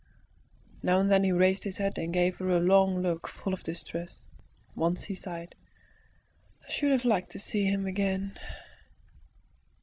Now and then he raised his head and gave her a long look full of distress. Once he sighed, "I should have liked to see him again!"